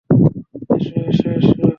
এসো, এসো, এসো!